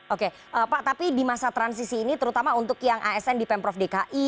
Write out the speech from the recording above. oke pak tapi di masa transisi ini terutama untuk yang asn di pemprov dki